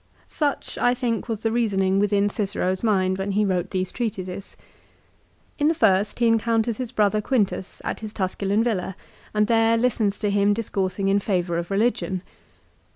Such, I think, was the reasoning within Cicero's mind when he wrote these treatises. In the first he encounters his brother Quintus at his Tusculan villa, and there listens to him discoursing in favour of religion.